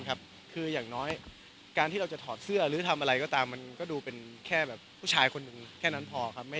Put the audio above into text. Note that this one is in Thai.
ไม่ถึงขนาดนั้นหรอ